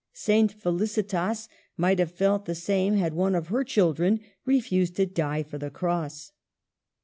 Saint Felicitas might have felt the same had one of her children refused to die for the Cross.